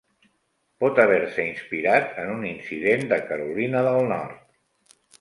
Pot haver-se inspirat en un incident de Carolina del Nord.